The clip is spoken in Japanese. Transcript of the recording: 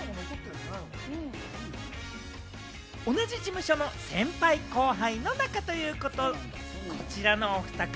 同じ事務所の先輩・後輩の仲というこちらのおふた組。